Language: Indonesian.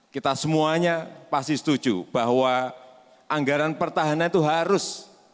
kita semuanya pasti setuju bahwa anggaran pertahanan itu harus